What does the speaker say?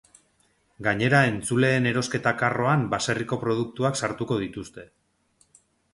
Gainera entzuleen erosketa karroan baserriko produktuak sartuko dituzte.